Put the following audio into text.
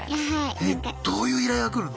えどういう依頼がくるの？